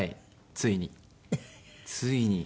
ついに。ついに！